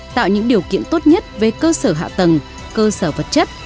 tạo những điều kiện tốt nhất về cơ sở hạ tầng cơ sở vật chất